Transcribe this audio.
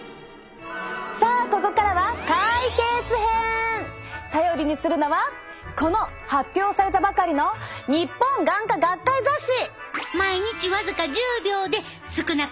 さあここからは頼りにするのはこの発表されたばかりの日本眼科学会雑誌！